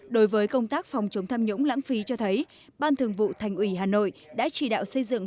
đối với công tác phòng chống tham nhũng lãng phí cho thấy ban thường vụ thành ủy hà nội đã chỉ đạo xây dựng